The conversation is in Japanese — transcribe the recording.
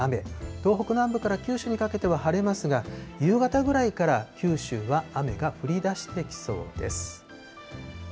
東北南部から九州にかけては晴れますが、夕方ぐらいから九州は雨が降りだしてきそうです。